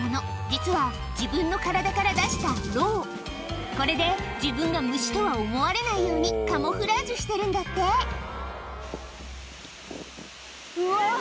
実は自分の体から出したこれで自分が虫とは思われないようにカムフラージュしてるんだってうわ！